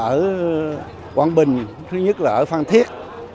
ở quảng bình thứ nhất là ở phan thiết